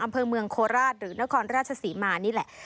อำเภอเมืองโคราชหรือนครราชศรีมานี่แหละ